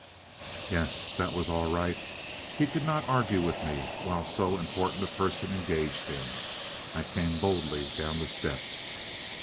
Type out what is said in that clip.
Yes. That was all right! He could not argue with me while so important a person engaged him. ... I came boldly down the steps.